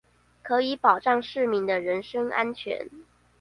可以保障市民的人身安全